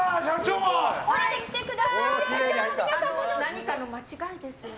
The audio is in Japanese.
何かの間違いですよね。